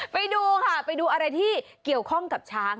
ไปดูค่ะไปดูอะไรที่เกี่ยวข้องกับช้าง